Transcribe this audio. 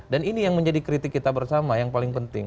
dan ini yang menjadi kritik kita bersama yang paling penting